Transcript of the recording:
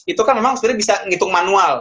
itu kan memang sebenarnya bisa ngitung manual